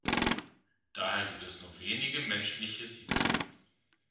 Daher gibt es nur wenige menschliche Siedlungen.